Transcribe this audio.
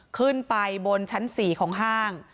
ขึ้นไปบนชั้น๔ของห้าง